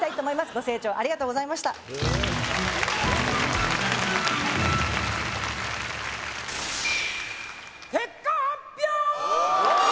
ご清聴ありがとうございました結果発表！